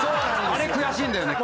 あれ悔しいんだよね。